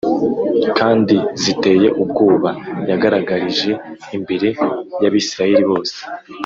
kandi ziteye ubwoba yagaragarije imbere y’abisirayeli bose